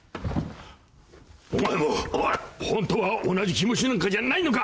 お前もホントは同じ気持ちなんじゃないのか！